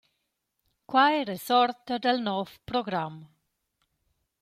Quai resorta dal nouv program.